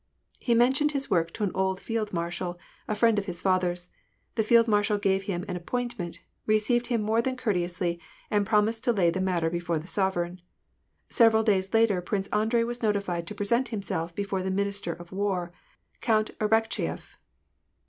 He mentioned his work to an old field marshal, a friend of his father's. The field marshal gave him an appointment, received him more than courteously, and promised to lay the matter before the sovereign. Several days later. Prince Andrei was notified to present himself before the minister of war, Count Arakcheyef.